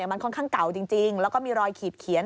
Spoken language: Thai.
มันค่อนข้างเก่าจริงแล้วก็มีรอยขีดเขียน